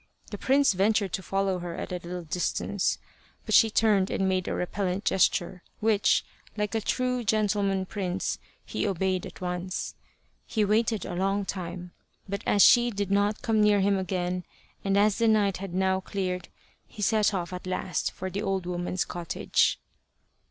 The prince ventured to follow her at a little distance, but she turned and made a repellent gesture, which, like a true gentleman prince, he obeyed at once. He waited a long time, but as she did not come near him again, and as the night had now cleared, he set off at last for the old woman's cottage.